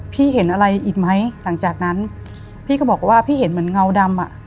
เห็นอะไรอีกไหมหลังจากนั้นพี่ก็บอกว่าพี่เห็นเหมือนเงาดำอ่ะ